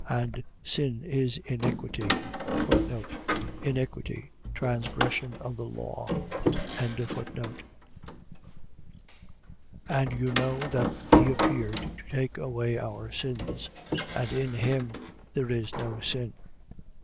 And sin is iniquity. Iniquity. . .transgression of the law. 3:5. And you know that he appeared to take away our sins: and in him there is no sin.